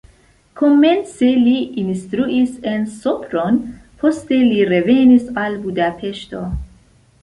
Komence li instruis en Sopron, poste li revenis al Budapeŝto.